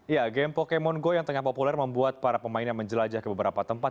ya game pokemon go yang tengah populer membuat para pemain yang menjelajah ke beberapa tempat